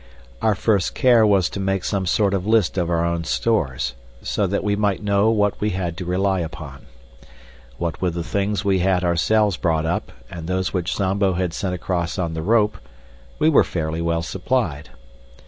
Our first care was to make some sort of list of our own stores, so that we might know what we had to rely upon. What with the things we had ourselves brought up and those which Zambo had sent across on the rope, we were fairly well supplied.